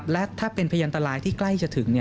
และถ้าเป็นพยานตรายที่ใกล้จะถึง